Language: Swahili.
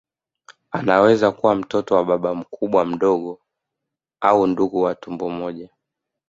Anaweza kuwa mtoto wa baba mkubwa mdogo au ndugu wa tumbo moja